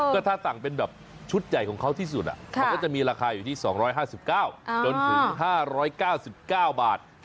ก็ถ้าสั่งเป็นแบบชุดใหญ่ของเขาที่สุดมันก็จะมีราคาอยู่ที่๒๕๙จนถึง๕๙๙บาท